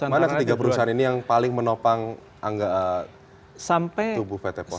mana ketiga perusahaan ini yang paling menopang tubuh pt pos